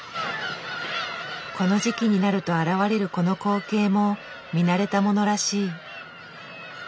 この時期になると現れるこの光景も見慣れたものらしい。